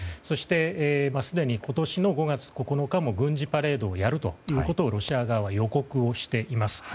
そして、すでに今年の５月９日も軍事パレードをやるということをロシア側は予告しています。